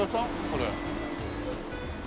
これ。